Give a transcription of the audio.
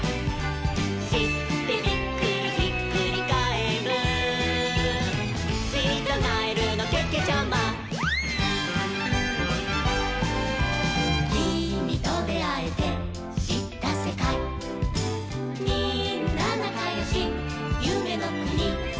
「しってビックリひっくりかえる」「しりたガエルのけけちゃま」「キミとであえてしったセカイ」「みんななかよしゆめのくに」